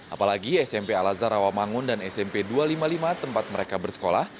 apalagi smp alazar awamangun dan smp dua ratus lima puluh lima tempat mereka bersekolah